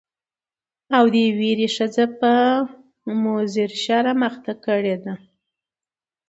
او دې ويرې ښځه په مضر شرم اخته کړې ده.